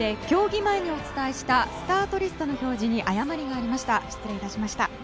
競技前にお伝えしたスタートリストの表示に誤りがありました。